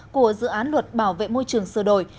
của dự án luật bảo vệ môi trường sửa đổi